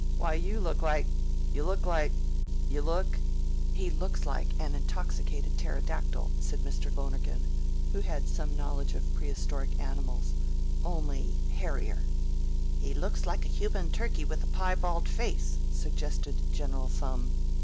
Why, you look like you look like you look " "He looks like an intoxicated pterodactyl," said Mr. Lonergan, who had some knowledge of prehistoric animals, "only hairier." "He looks like a human turkey with a piebald face," suggested General Thumb.